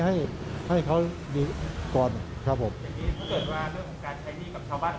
อย่างนี้ถ้าเกิดว่าเรื่องของการใช้หนี้กับชาวบ้าน